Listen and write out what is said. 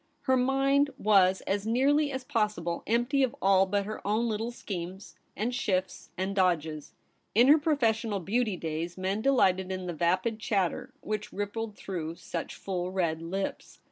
Her mind was as nearly as possible empty of all but her own little schemes, and shifts, and dodges. In her professional beauty days, men delighted in the vapid chatter which rippled through such full red lips.